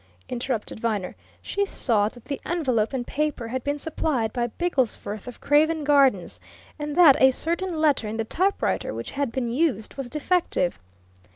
interrupted Viner. "She saw that the envelope and paper had been supplied by Bigglesforth, of Craven Gardens, and that a certain letter in the typewriter which had been used was defective."